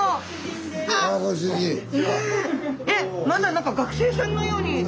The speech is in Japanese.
まだ何か学生さんのように。